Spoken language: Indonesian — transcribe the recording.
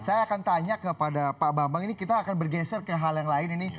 saya akan tanya kepada pak bambang ini kita akan bergeser ke hal yang lain ini